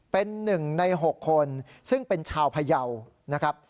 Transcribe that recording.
เป็น๑ใน๖คนซึ่งเป็นชาวพยาวนะครับ